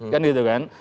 kan gitu kan